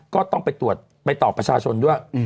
ก็ต้องไปตรวจไปตอบประชาชนด้วย